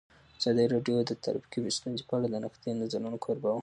ازادي راډیو د ټرافیکي ستونزې په اړه د نقدي نظرونو کوربه وه.